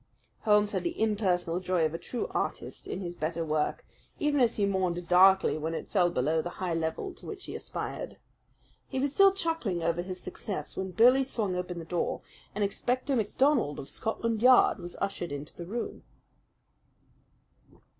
Holmes had the impersonal joy of the true artist in his better work, even as he mourned darkly when it fell below the high level to which he aspired. He was still chuckling over his success when Billy swung open the door and Inspector MacDonald of Scotland Yard was ushered into the room.